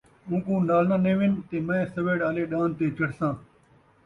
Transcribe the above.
اونکوں نال ناں نیون تے میں سوڑ آلے ݙاند تے چڑھساں